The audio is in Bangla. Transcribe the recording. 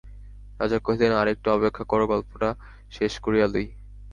রাজা কহিলেন, আর-একটু অপেক্ষা করো, গল্পটা শেষ করিয়া লই।